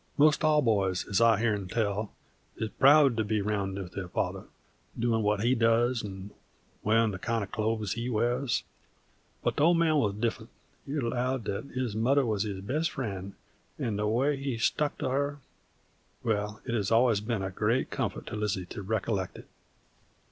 'Most all boys, as I've heern tell, is proud to be round with their father, doin' what he does 'nd wearin' the kind of clothes he wears. But the Old Man wuz different; he allowed that his mother was his best friend, 'nd the way he stuck to her wall, it has alwuz been a great comfort to Lizzie to recollect it.